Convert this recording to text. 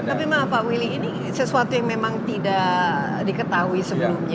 tapi maaf pak willy ini sesuatu yang memang tidak diketahui sebelumnya